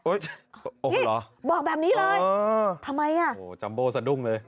โอ้ยโอ้ยเหรอบอกแบบนี้เลยเออเออทำไมอ่ะโหจัมโบ้สะดุ้งเลย